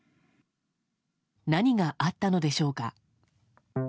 何があったのでしょうか。